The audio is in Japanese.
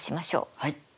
はい。